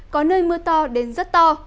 có nơi mưa to đến rất to